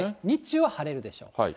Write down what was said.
日中は晴れるでしょう。